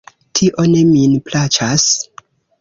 Tio ne min plaĉas.